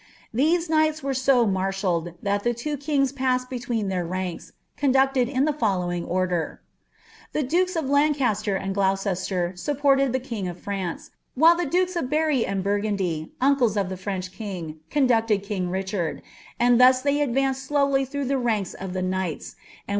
These kntghta were ao marshalled, that the two kings passed between iheir mnitA, conducted in the following order :— The dukes of Lancaster and 'i|»iicc«ier supported the king of France, whde the dukea nf Beiri and i'urgnndy, iiiicjes of the French king, conducted kin^ Richard; and ' 111* itiey advanced slowly through the ranks of the knighis ; and when